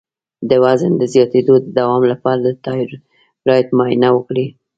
د وزن د زیاتیدو د دوام لپاره د تایرايډ معاینه وکړئ